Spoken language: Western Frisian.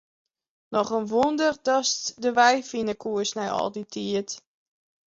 Noch in wûnder datst de wei fine koest nei al dy tiid.